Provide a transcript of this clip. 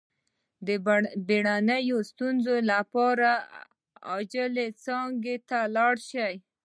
د بیړنیو ستونزو لپاره د عاجل څانګې ته لاړ شئ